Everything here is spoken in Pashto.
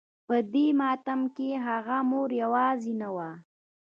په دې ماتم کې هغه مور يوازې نه وه.